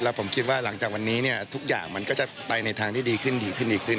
ผมคิดว่าหลังจากวันนี้ทุกอย่างมันก็จะไปในทางที่ดีขึ้นดีขึ้นดีขึ้น